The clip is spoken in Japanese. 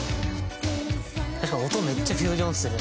「確かに音めっちゃフュージョンですね」